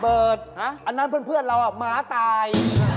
เบิร์ดอันนั้นเพื่อนเราหมาตาย